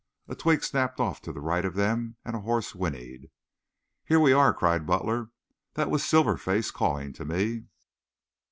A twig snapped off to the right of them and a horse whinnied. "Here we are," cried Butler. "That was Silver Face calling to me."